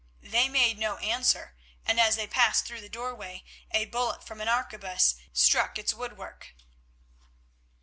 They made no answer, and as they passed through the doorway, a bullet from an arquebus struck its woodwork.